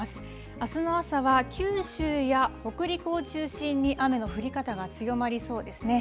あすの朝は九州や北陸を中心に雨の降り方が強まりそうですね。